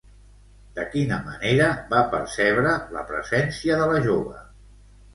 De quina manera va percebre la presència de la jove?